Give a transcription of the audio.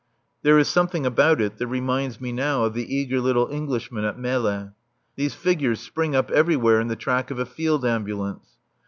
There is something about it that reminds me now of the eager little Englishman at Melle. These figures spring up everywhere in the track of a field ambulance.